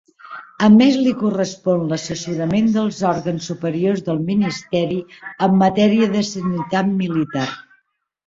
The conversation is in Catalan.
A més li correspon l'assessorament dels òrgans superiors del Ministeri en matèria de sanitat militar.